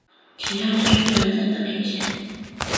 锦江县是越南海阳省下辖的一个县。